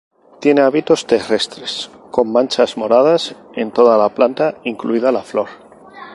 Tiene hábitos terrestre con manchas moradas en toda la planta, incluida la flor.